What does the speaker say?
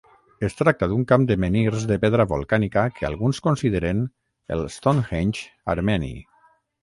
Es tracta d'un camp de menhirs de pedra volcànica que alguns consideren el Stonehenge armeni.